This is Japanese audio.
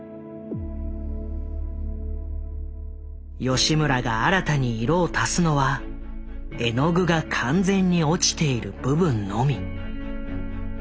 吉村が新たに色を足すのは絵の具が完全に落ちている部分のみ。